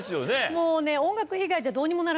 もうね。